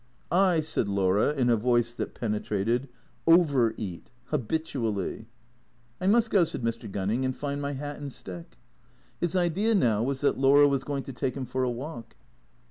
" I," said Laura in a voice that penetrated, " over eat. Ha bitually." " I must go," said Mr. Gunning, " and find my hat and stick." His idea now was that Laura was going to take him for a walk.